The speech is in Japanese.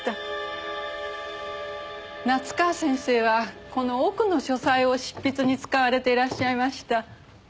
夏河先生はこの奥の書斎を執筆に使われていらっしゃいました。